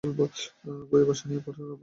বই বাসায় নিয়ে পড়ার ব্যবস্থা রয়েছে।